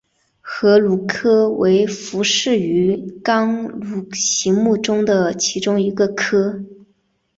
河鲈科为辐鳍鱼纲鲈形目的其中一个科。